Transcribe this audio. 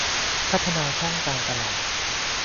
พัฒนาช่องทางการตลาด